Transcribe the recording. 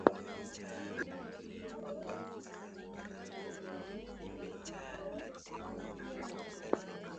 Diatta alisema watu hao walikuwa raia kutoka nchini Guinea, Nigeria, Gambia na Senegal